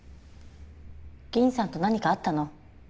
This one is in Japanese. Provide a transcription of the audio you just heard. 銀さんと何かあったの？